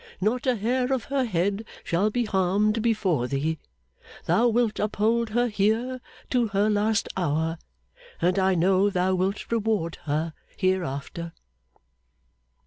Not a hair of her head shall be harmed before Thee. Thou wilt uphold her here to her last hour. And I know Thou wilt reward her hereafter!